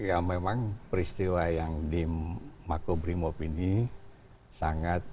ya memang peristiwa yang di makobrimob ini sangat